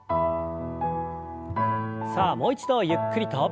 さあもう一度ゆっくりと。